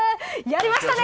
やりましたね。